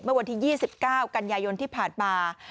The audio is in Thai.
เมื่อวันที่๒๙กันยายนที่ผ่านมา